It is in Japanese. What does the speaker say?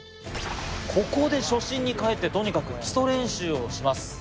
ここで初心に返ってとにかく基礎練習をします。